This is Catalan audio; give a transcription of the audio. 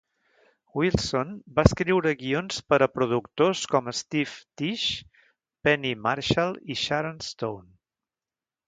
Wilson va escriure guions per a productors com Steve Tisch, Penny Marshall i Sharon Stone.